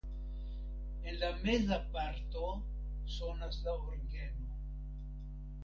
En la meza parto sonas la orgeno.